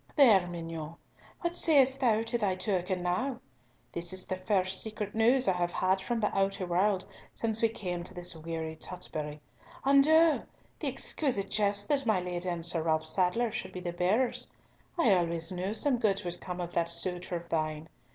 "There, mignonne! What sayest thou to thy token now? This is the first secret news I have had from the outer world since we came to this weary Tutbury. And oh! the exquisite jest that my Lady and Sir Ralf Sadler should be the bearers! I always knew some good would come of that suitor of thine!